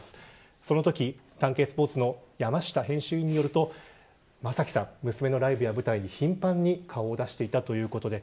そのときサンケイスポーツの山下編集委員によると正輝さんは、娘のライブや舞台に頻繁に顔を出していたということです。